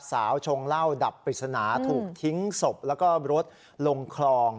ชงเหล้าดับปริศนาถูกทิ้งศพแล้วก็รถลงคลอง